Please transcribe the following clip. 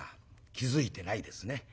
気付いてないですね。